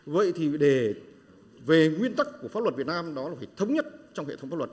vậy thì về nguyên tắc của pháp luật việt nam đó là phải thống nhất trong hệ thống pháp luật